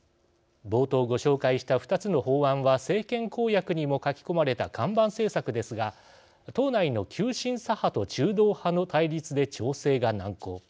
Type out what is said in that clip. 冒頭ご紹介した２つの法案は政権公約にも書き込まれた看板政策ですが党内の急進左派と中道派の対立で調整が難航。